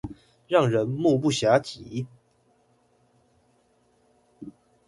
讓人目不暇給